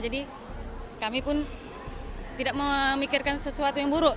jadi kami pun tidak memikirkan sesuatu yang buruk